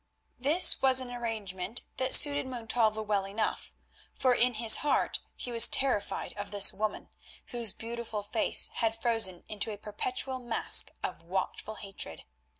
This was an arrangement that suited Montalvo well enough, for in his heart he was terrified of this woman, whose beautiful face had frozen into a perpetual mask of watchful hatred.